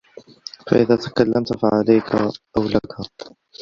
فَإِذَا تَكَلَّمْتَ فَعَلَيْك أَوْ لَك